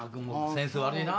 センス悪いな。